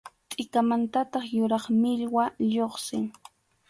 Tʼikanmantataq yuraq millwa lluqsin.